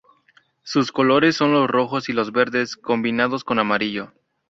Sus colores son los rojos y los verdes, combinados con amarillo.